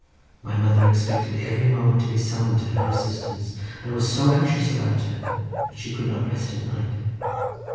My mother expected every moment to be summoned to her assistance, and was so anxious about her that she could not rest at night.